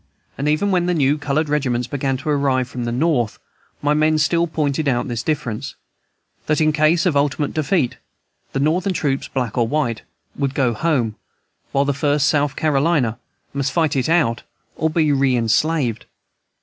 And even when the new colored regiments began to arrive from the North my men still pointed out this difference, that in case of ultimate defeat, the Northern troops, black or white, would go home, while the First South Carolina must fight it out or be re enslaved.